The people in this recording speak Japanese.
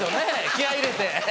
気合入れて。